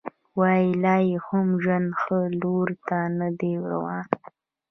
وايي لا یې هم ژوند ښه لوري ته نه دی روان